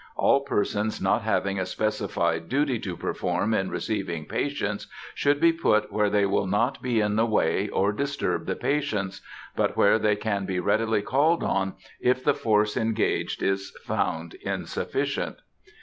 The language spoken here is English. All persons not having a specified duty to perform in receiving patients, should be put where they will not be in the way or disturb the patients, but where they can be readily called on if the force engaged is found insufficient.